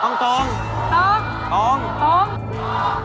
ต้องทำเป็นสามกษัตริย์นะ